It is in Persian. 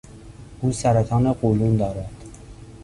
او سرطان قولون دارد.